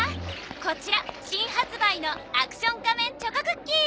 こちら新発売のアクション仮面チョコクッキー！